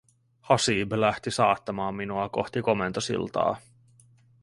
Haseeb lähti saattamaan minua kohti komentosiltaa.